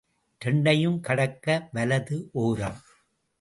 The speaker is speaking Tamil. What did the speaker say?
இரண்டையும் கடக்க வலது ஓரம்.